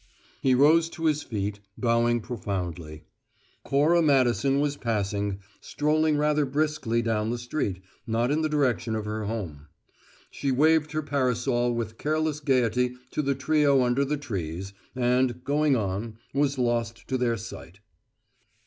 He rose to his feet, bowing profoundly. Cora Madison was passing, strolling rather briskly down the street, not in the direction of her home. She waved her parasol with careless gayety to the trio under the trees, and, going on, was lost to their sight.